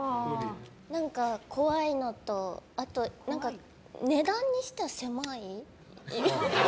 何か怖いのと値段にしては狭い。